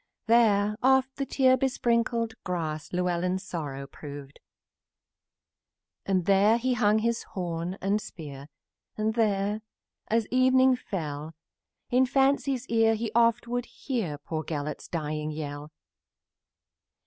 Here oft the tear besprinkled grass Llewellyn's sorrow proved. And here he hung his horn and spear, And oft, as evening fell, In fancy's piercing sounds would hear Poor Gelert's dying yell.